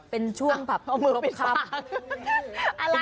เป็นช่วงแบบเอาเมื่อปิดฟัง